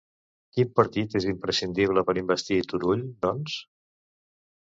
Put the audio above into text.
Quin partit és imprescindible per investir Turull, doncs?